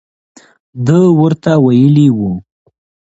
ده ورته ویلي وو.